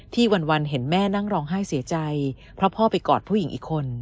วันเห็นแม่นั่งร้องไห้เสียใจเพราะพ่อไปกอดผู้หญิงอีกคน